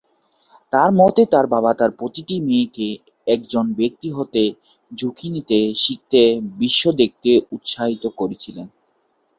তার মতে, তার বাবা তার প্রতিটি মেয়েকে "একজন ব্যক্তি হতে, ঝুঁকি নিতে, শিখতে, বিশ্ব দেখতে" উৎসাহিত করেছিলেন।